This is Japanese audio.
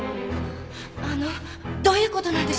あのどういうことなんでしょうか？